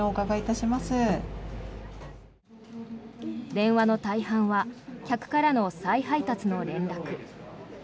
電話の大半は客からの再配達の連絡。